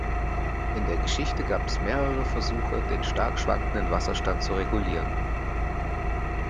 In der Geschichte gab es mehrere Versuche, den stark schwankenden Wasserstand zu regulieren.